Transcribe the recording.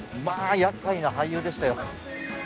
まあやっかいな俳優でしたよ。